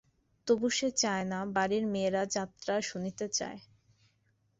তবু সে চায় না বাড়ির মেয়েরা যাত্রা শুনিতে যায়।